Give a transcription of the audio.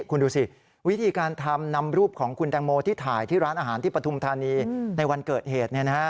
คุณดูสิวิธีการทำนำรูปของคุณแตงโมที่ถ่ายที่ร้านอาหารที่ปฐุมธานีในวันเกิดเหตุ